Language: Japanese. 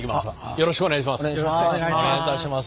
よろしくお願いします。